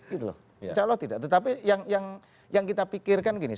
insya allah tidak tetapi yang kita pikirkan gini